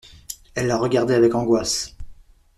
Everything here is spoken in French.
Elle le regardait avec angoisse.